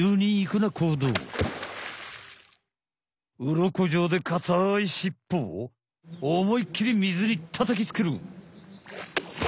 うろこじょうでかたいしっぽをおもいっきり水にたたきつける！